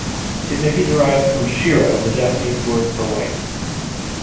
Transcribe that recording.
It may be derived from "shiro", the Japanese word for "white".